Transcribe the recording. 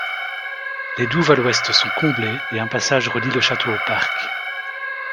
Les douves à l'ouest sont comblées et un passage relie le château au parc.